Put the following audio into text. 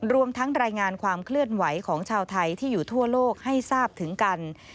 รวมทั้งรายงานความเคลื่อนไหวของชาวไทยที่อยู่ทั่วโลกให้ทราบถึงกัน